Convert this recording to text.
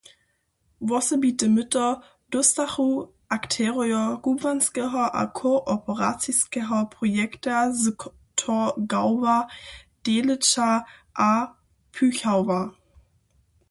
Wosebite myto dóstachu akterojo kubłanskeho a kooperaciskeho projekta z Torgauwa, Delitzscha a Püchauwa.